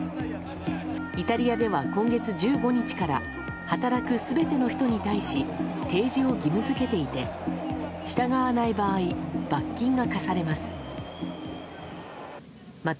イタリアでは今月１５日から働く全ての人に対し提示を義務付けていて従わない場合罰金が科されます。